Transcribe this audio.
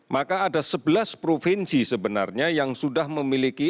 maka ada sebelas provinsi sebenarnya yang sudah memiliki